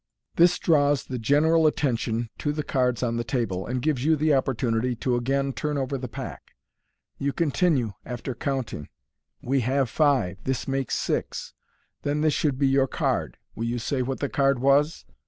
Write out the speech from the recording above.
This draws the general attention to the cards on the table, and gives you the opportunity to again turn over the pack. You continue, after counting, " We have five, this makes six j then this should be your card. Will you say what the card was